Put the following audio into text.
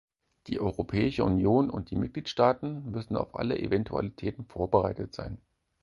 Die Europäische Union und die Mitgliedstaaten müssen auf alle Eventualitäten vorbereitet sein.